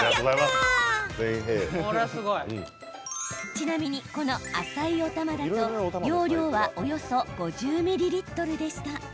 ちなみに、この浅いおたまだと容量はおよそ５０ミリリットルでした。